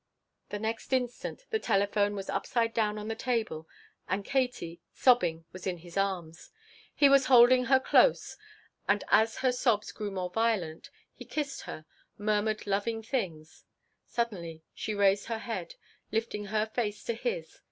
The next instant the telephone was upside down on the table and Katie, sobbing, was in his arms. He was holding her close; and as her sobs grew more violent he kissed her hair, murmured loving things. Suddenly she raised her head lifting her face to his.